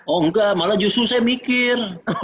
oh enggak malah justru saya mikir